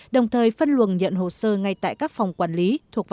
đồng thời phân luận nhận hồ sơ ngay tại các phòng quản lý